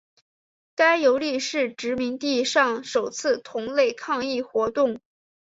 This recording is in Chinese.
该游利是殖民地上首次同类抗议活动。